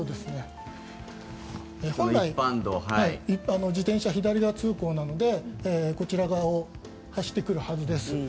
本来、自転車は左側通行なのでこちら側を走ってくるはずです。